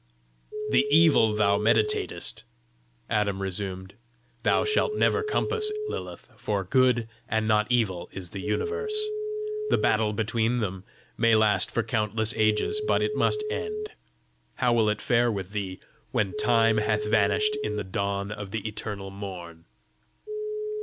"The evil thou meditatest," Adam resumed, "thou shalt never compass, Lilith, for Good and not Evil is the Universe. The battle between them may last for countless ages, but it must end: how will it fare with thee when Time hath vanished in the dawn of the eternal morn?